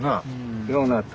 ようなった。